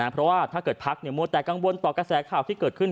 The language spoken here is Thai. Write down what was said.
เพราะว่าถ้าเกิดพักมัวแต่กังวลต่อกระแสข่าวที่เกิดขึ้น